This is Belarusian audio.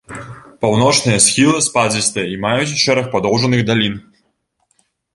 Паўночныя схілы спадзістыя і маюць шэраг падоўжаных далін.